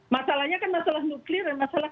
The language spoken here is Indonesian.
masalahnya kan masalah nuklir dan masalah